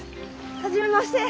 初めまして。